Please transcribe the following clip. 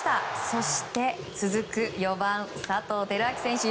そして続く４番、佐藤輝明選手。